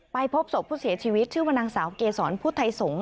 ไปพบสวนผู้เสียชีวิตชื่อวันนางสาวเกษรภูทัยสงศ์